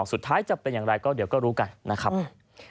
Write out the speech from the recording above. สุดท้ายจะเป็นอย่างไรก็เดี๋ยวก็รู้กันนะครับ